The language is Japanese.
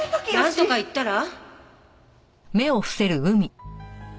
なんとか言ったら？